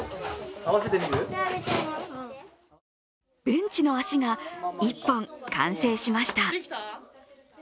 ベンチの足が１本、完成しました。